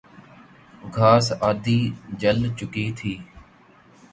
گھاس آدھی جل چکی تھی